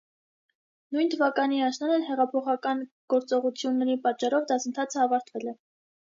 Նույն թվականի աշնանը հեղափոխական գործողությունների պատճառով դասընթացը ավարտվել է։